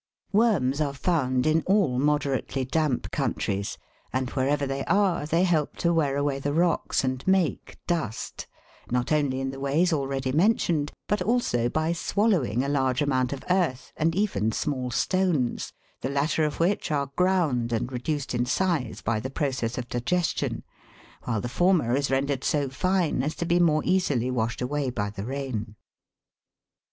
Worms are found in all moderately damp countries, and wherever they are they help to wear away the rocks and make " dust," not only in the ways already mentioned, but also by swallowing a large amount of earth and even small stones, the latter of which are ground and reduced in size by the process of digestion, while the former is rendered so fine as to be more easily washed away by the rain.